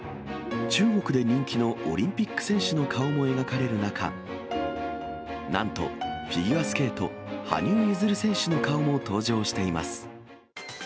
中国で人気のオリンピック選手の顔も描かれる中、なんと、フィギュアスケート、羽生結弦選手の顔も登場しています。